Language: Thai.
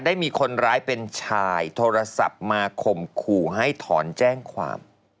ได้มีคนร้ายเป็นชายโทรศัพท์มาข่มขู่ให้ถอนแจ้งความ